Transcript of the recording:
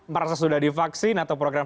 merasa sudah divaksin atau program